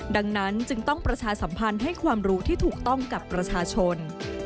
ดังนั้นจึงต้องประชาสัมพันธ์ให้ความรู้ที่ถูกต้องกับประชาชน